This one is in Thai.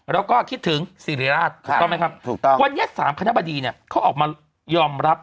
แล้วก็คิดถึงสิริราชถูกต้องไหมครับถูกต้องวันนี้๓คณะบดีเนี่ยเขาออกมายอมรับ